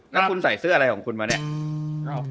แล้วคุณใส่เสื้ออะไรของคุณมาเนี่ย